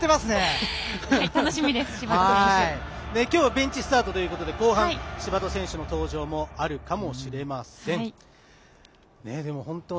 今日はベンチスタートということで後半、柴戸選手の登場もあるかもしれません。